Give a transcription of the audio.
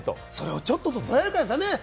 それをちょっとと捉えるかですね。